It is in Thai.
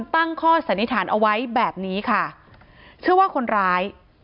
ตั้งข้อสันนิษฐานเอาไว้แบบนี้ค่ะเชื่อว่าคนร้าย